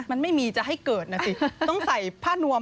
มันไม่มีจะให้เกิดนะสิต้องใส่ผ้านวม